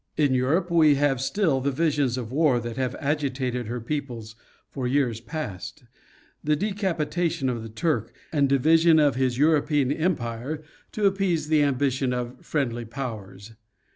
In Europe we have still the visions of war that have agitated her peoples for years past; the decapitation of the Turk, and division of his European empire to appease the ambition of "friendly powers."